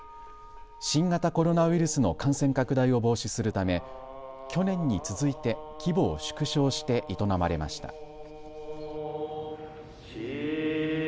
新型コロナウイルスの感染拡大を防止するため去年に続いて規模を縮小して営まれました。